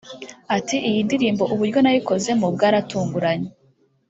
Ati “Iyi ndirimbo uburyo nayikozemo bwaratunguranye